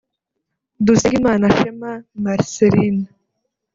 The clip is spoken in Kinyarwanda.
Dusengimana Shema Marcellin